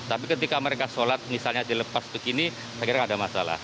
tapi ketika mereka sholat misalnya dilepas begini akhirnya ada masalah